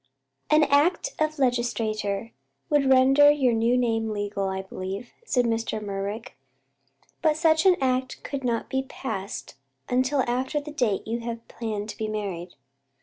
"An act of legislature would render your new name legal, I believe," said Mr. Merrick; "but such an act could not be passed until after the date you have planned to be married."